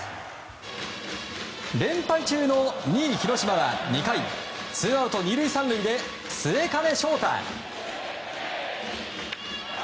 連敗中の２位、広島は２回ツーアウト２塁３塁で末包昇大。